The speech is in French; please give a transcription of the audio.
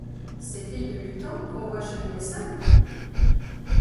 Ces filles de huit ans qu’on voit cheminer seules ?